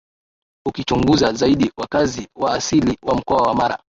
Ukichunguza zaidi wakazi wa asili wa Mkoa wa Mara